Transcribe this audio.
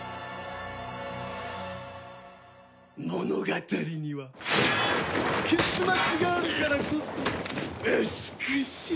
物語には結末があるからこそ美しい。